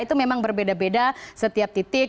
itu memang berbeda beda setiap titik